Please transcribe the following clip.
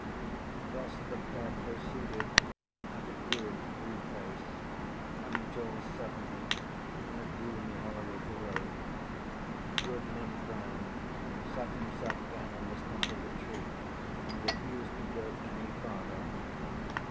Thus the pair proceeded, at a good free pace, until suddenly, in a gloomy hollow of the road, Goodman Brown sat himself down on the stump of a tree and refused to go any farther.